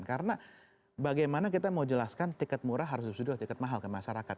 karena bagaimana kita mau jelaskan tiket murah harus disediakan tiket mahal ke masyarakat